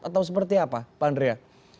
atau seperti apa pak andrea